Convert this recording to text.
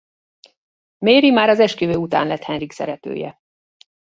Mary már az esküvő után lett Henrik szeretője.